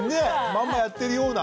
まんまやってるような。